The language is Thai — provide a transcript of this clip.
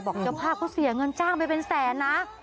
เจ้าภาพก็เสียเงินจ้างไปเป็นแสนนะ